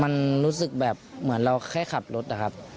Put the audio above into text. มันรู้สึกแบบเหมือนเราแค่ขับรถนะครับ